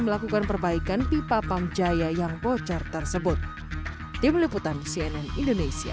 melakukan perbaikan pipa pamjaya yang bocor tersebut tim liputan cnn indonesia